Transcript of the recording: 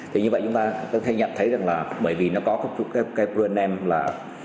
thì như vậy chúng ta có thể nhận thấy rằng là bởi vì nó có cái brand name